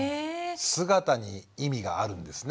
姿に意味があるんですね。